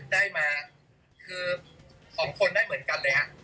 ได้มาคือ๒คนได้เหมือนกันเลยฮะ